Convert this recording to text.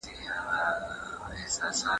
د افغانستان خاوره د اتلانو خاوره ده.